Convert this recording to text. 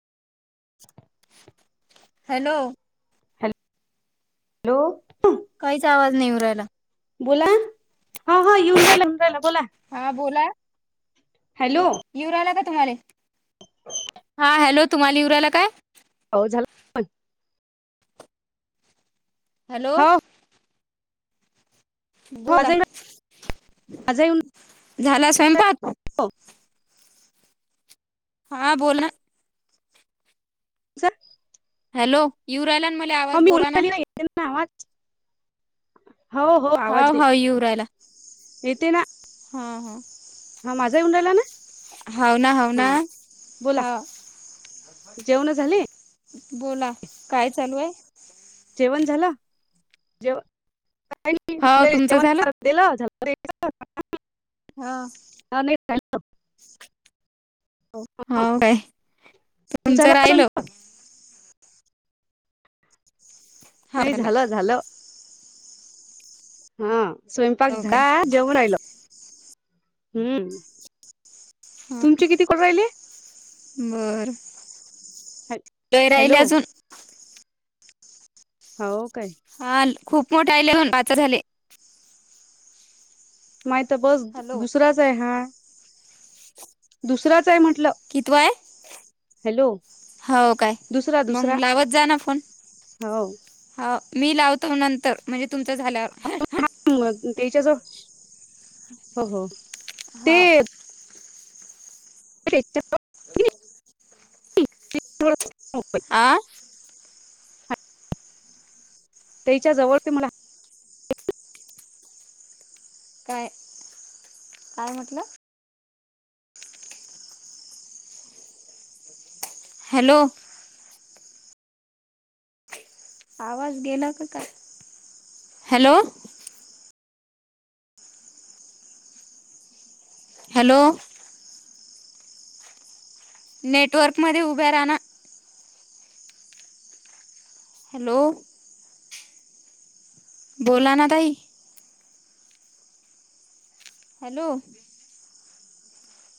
Hello. Hello! काहीच आवाज नई येऊ ऱ्हायला. बोला. ह. ह. येऊन राहायला, येऊन ऱ्हायला बोला. हा हॅलो! यू ऱहायला का? तुम्हाले हॅलो तुम्हाले यू ऱाहायला काय? हो. झाला. हॅलो! हो ! हो बोला माझा माझा येऊन झाला स्वयंपाक. हा. बोला. [inaudible] हॅलो यू राहिला म हाव. मी बोलून राहीले, ना येते ना आवाज. हो. हो. आवाज.. हाव हाव येऊ राहिला. येते ना.. हा हा. माझा येऊन राहिला ना. हव. ना हव. ना हा बोला हाव.. जेवण झाले बोला काय? चालूये. जेवण झालं. सकाळी हाव [unintelligible] तुमचं जेवण झालं? [unintelligible] हा. [inaudible] हा होय तुमचा तुमच झाला राहिलो? स्वयंपाक हाव नई झाला झालं, झालं. हा. स्वयंपाक हो काय झाला जेऊन राहिलो. हम्म तुमचे किती? काॅल राहिले. बरं लय राहिले हॅलो अजून. हाव. काय? हा. खूप मोठे आले, अजून पाच झाले. माये त बस हॅलो दुसराच ये हा दुसराच ये म्हण. कितवा आहे. हाव काय? दुसरा मंग दुसरा लावत जा ना फोन. हो हाव मी लावतो. नंतर म्हणजे तुमचं झाल्यावर. [unintelligible] हिच्याजवळ [unintelligible] हो. हो. ते. [inaudible] आं.. ताईच्या जवळ [unintelligible] मला. काय? काय? म्हटलं. हॅलो! ! आवाज गेला का? काय? हॅलो! हॅलो! नेटवर्कमध्ये उभ्या रहा ना. हॅलो! बोला ना ताई. हॅलो!